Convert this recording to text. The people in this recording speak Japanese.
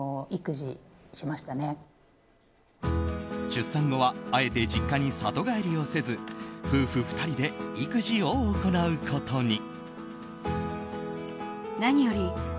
出産後はあえて実家に里帰りをせず夫婦２人で育児を行うことに。